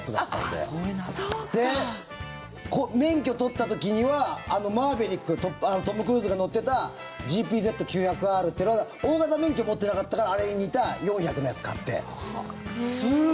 で、免許取った時にはあのマーヴェリックのトム・クルーズが乗ってたＧＰＺ９００Ｒってのが大型免許、持ってなかったからあれに似た４００のやつ買って。